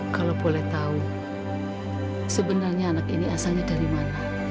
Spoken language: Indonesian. kalau boleh tahu sebenarnya anak ini asalnya dari mana